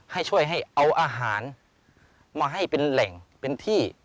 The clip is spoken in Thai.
ให้ช่วยให้เอาอาหารมาให้เป็นแหล่งเป็นที่